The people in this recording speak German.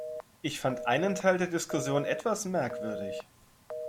Ich fand einen Teil der Diskussion etwas merkwürdig.